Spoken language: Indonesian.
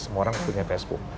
semua orang punya facebook